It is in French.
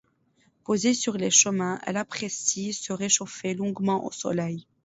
Posée sur les chemins, elle apprécie se réchauffer longuement au soleil.